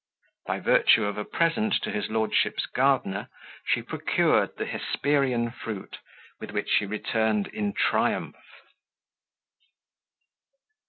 By virtue of a present to his lordship's gardener, she procured the Hesperian fruit, with which she returned in triumph.